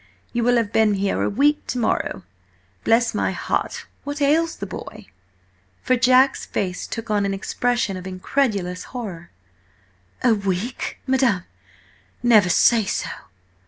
You will have been here a week to morrow. Bless my heart, what ails the boy?" For Jack's face took on an expression of incredulous horror. "A WEEK, madam? Never say so!"